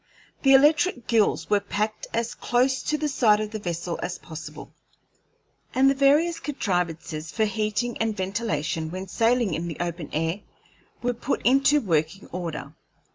The electric gills were packed as close to the side of the vessel as possible, and the various contrivances for heating and ventilation when sailing in the open air were put into working order.